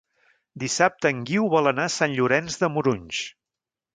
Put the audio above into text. Dissabte en Guiu vol anar a Sant Llorenç de Morunys.